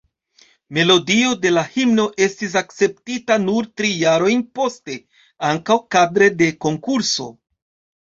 Melodio de la himno estis akceptita nur tri jarojn poste, ankaŭ kadre de konkurso.